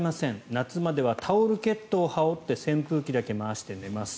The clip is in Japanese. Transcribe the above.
夏まではタオルケットを羽織って扇風機だけ回して寝ます。